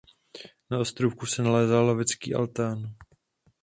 Na ostrůvku se nalézá lovecký altán.